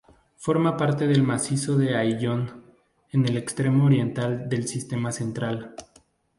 Forma parte del macizo de Ayllón, en el extremo oriental del Sistema Central.